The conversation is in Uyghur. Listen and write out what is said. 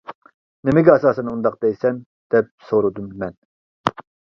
» نېمىگە ئاساسەن ئۇنداق دەيسەن؟ «دەپ سورىدىم مەن.